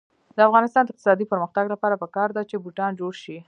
د افغانستان د اقتصادي پرمختګ لپاره پکار ده چې بوټان جوړ شي.